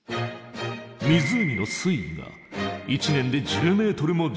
湖の水位が１年で１０ｍも上昇。